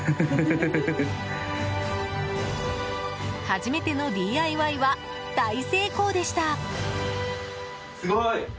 初めてのＤＩＹは大成功でした。